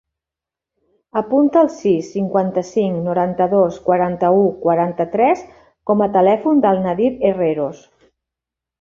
Apunta el sis, cinquanta-cinc, noranta-dos, quaranta-u, quaranta-tres com a telèfon del Nadir Herreros.